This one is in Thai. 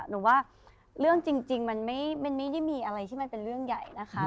หนูว่าเรื่องจริงมันไม่ได้มีอะไรที่มันเป็นเรื่องใหญ่นะคะ